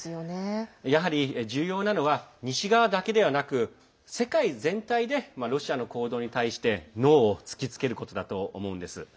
やはり重要なのは西側だけでなく世界全体でロシアの行動に対してノーを突きつけることだと思うんです。